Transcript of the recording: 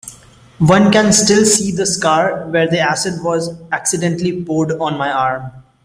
One can still see the scar where the acid was accidentally poured on my arm.